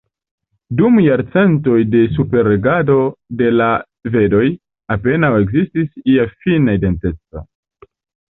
Dum jarcentoj de superregado de la svedoj, apenaŭ ekzistis ia finna identeco.